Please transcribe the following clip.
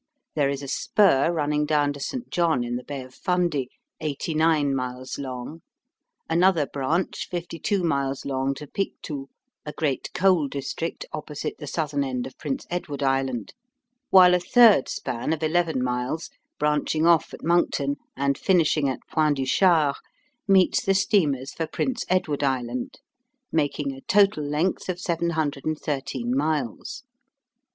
There is a spur running down to St. John, in the Bay of Fundy, eighty nine miles long, another branch fifty two miles long to Pictou, a great coal district opposite the southern end of Prince Edward Island; while a third span of eleven miles, branching off at Monckton and finishing at Point du Char, meets the steamers for Prince Edward Island, making a total length of 713 miles.